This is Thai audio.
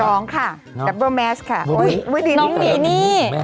น้องค่ะดับเบอร์แมสค่ะน้องดีนี่